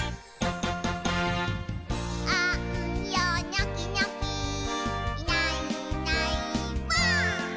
「あんよニョキニョキいないいないばぁ！」